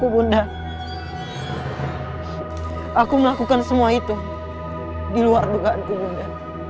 bunda aku melakukan semua itu di luar dekaanku bunda